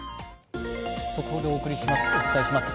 速報でお伝えします。